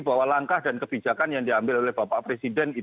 bahwa langkah dan kebijakan yang diambil oleh bapak presiden